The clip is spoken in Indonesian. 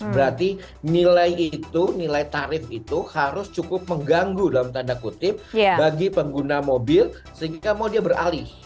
berarti nilai itu nilai tarif itu harus cukup mengganggu dalam tanda kutip bagi pengguna mobil sehingga mau dia beralih